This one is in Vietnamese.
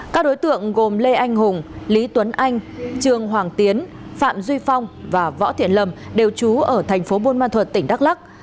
các đối tượng gồm lê anh hùng lý tuấn anh trường hoàng tiến phạm duy phong và võ thiện lâm đều trú ở thành phố buôn ma thuật tỉnh đắk lắc